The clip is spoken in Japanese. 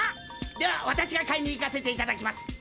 では私が買いに行かせていただきます。